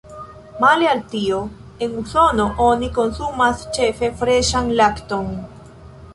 Male al tio, en Usono oni konsumas ĉefe freŝan lakton.